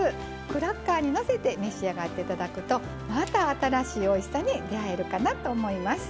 クラッカーにのせて召し上がっていただくとまた新しいおいしさに出会えるかなと思います。